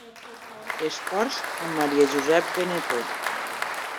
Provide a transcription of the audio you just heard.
Esports amb Maria Josep Benetó.